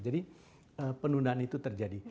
jadi penundaan itu terjadi